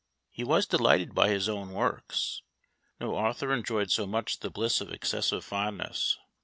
He was delighted by his own works. No author enjoyed so much the bliss of excessive fondness.